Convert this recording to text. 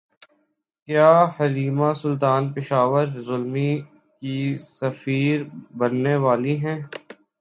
کیا Halime Sultan Peshawar Zalmi کی سفیر بننے والی ہیں